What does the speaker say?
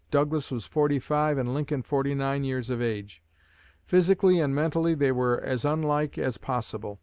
Douglas was forty five and Lincoln forty nine years of age. Physically and mentally, they were as unlike as possible.